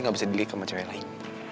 aku gak bisa dirilik sama cewek lain